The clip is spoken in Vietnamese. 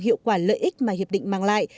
hiệu quả lợi ích mà hiệp định mang lại